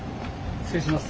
失礼します。